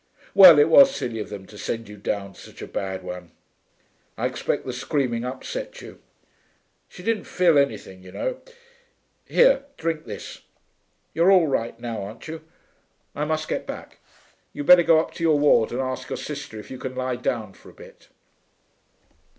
Well, it was silly of them to send you down to such a bad one. I expect the screaming upset you. She didn't feel anything, you know.... Here, drink this. You're all right now, aren't you? I must get back. You'd better go up to your ward and ask your Sister if you can lie down for a bit.'